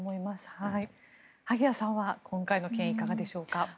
萩谷さんは今回の件いかがでしょうか。